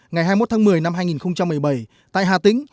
ngày hai mươi một tháng một mươi năm hai nghìn một mươi bảy tại hà tĩnh